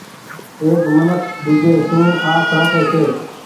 ايڪ منک ۮيجھي سون آس رکي ڇي۔